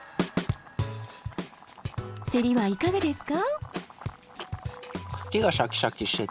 セリはいかがですか？